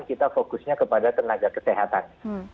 kita fokusnya kepada tenaga kesehatan